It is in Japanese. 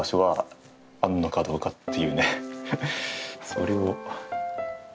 それを。